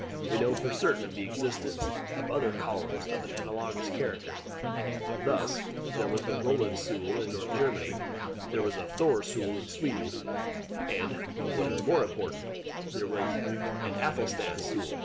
We know for certain of the existence of other columns of an analogous character. Thus, there was the Roland seule in North Germany; there was a Thor seule in Sweden, and (what is more important) there was an Athelstan seule in Saxon England.